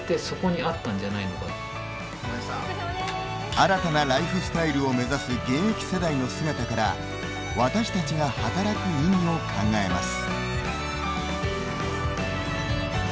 新たなライフスタイルを目指す現役世代の姿から私たちが働く意味を考えます。